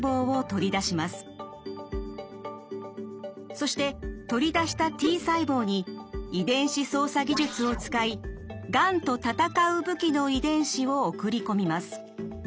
そして取り出したＴ細胞に遺伝子操作技術を使いがんと戦う武器の遺伝子を送り込みます。